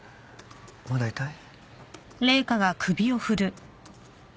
まだ痛い？